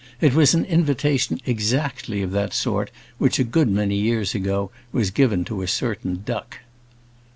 It was an invitation exactly of that sort which a good many years ago was given to a certain duck.